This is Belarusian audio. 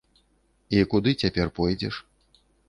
І куды цяпер пойдзеш?